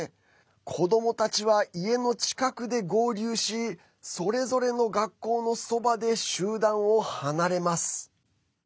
子どもたちは家の近くで合流しそれぞれの学校のそばで集団を離れます。